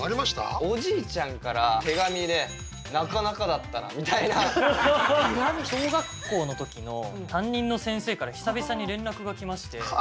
おじいちゃんから手紙で「なかなかだったな」みたいな。小学校の時の担任の先生から久々に連絡が来まして。